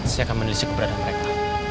saya akan meneliti keberadaan mereka